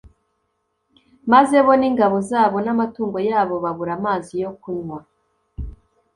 Maze bo n ingabo zabo n amatungo yabo babura amazi yo kunywa